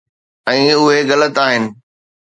۽ اهي غلط آهن.